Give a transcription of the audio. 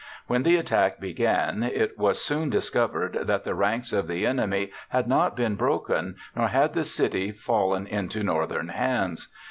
When the attack began it was soon discovered that the ranks of the enemy had not been broken nor had the city fallen into Northern hands.